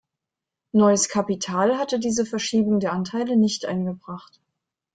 Neues Kapital hatte diese Verschiebung der Anteile nicht eingebracht.